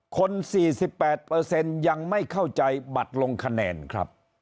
คน๔๘ยังไม่เข้าใจบัตรลงคะแนนครับ